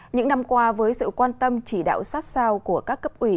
những năm qua với sự quan tâm chỉ đạo sát sao của các cấp ủy